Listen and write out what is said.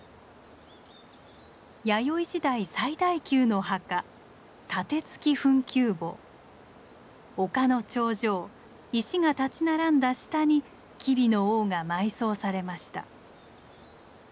弥生時代最大級の墓丘の頂上石が立ち並んだ下に吉備の王が埋葬されました。